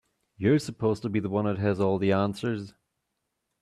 You're supposed to be the one that has all the answers.